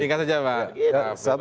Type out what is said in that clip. singkat saja pak